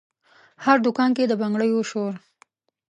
هر دکان کې د بنګړیو شور،